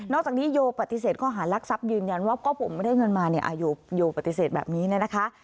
นอกจากนี้โยปฏิเสธข้อหารลักษัพยืนยันว่าก็ผมไม่ได้เงินมาโยปฏิเสธแบบนี้นะคะ